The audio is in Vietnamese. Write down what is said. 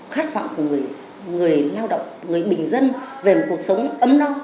khát vọng của người lao động người bình dân về một cuộc sống ấm no